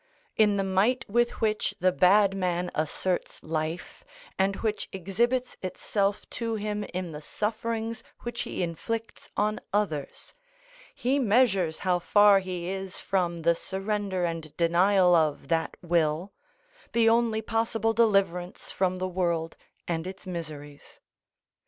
In the might with which the bad man asserts life, and which exhibits itself to him in the sufferings which he inflicts on others, he measures how far he is from the surrender and denial of that will, the only possible deliverance from the world and its miseries.